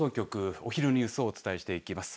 お昼のニュースをお伝えしていきます。